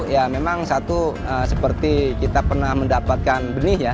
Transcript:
ya memang satu seperti kita pernah mendapatkan benih ya